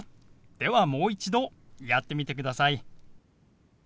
ではもう一度やってみてください。